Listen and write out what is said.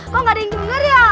kok gak ada yang denger ya